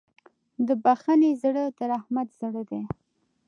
د بښنې زړه د رحمت زړه دی.